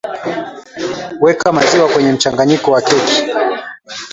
weka maziwa kwenye mchanganyiko wa keki